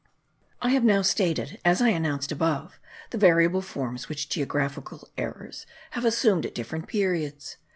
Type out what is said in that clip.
I have now stated, as I announced above, the variable forms which geographical errors have assumed at different periods.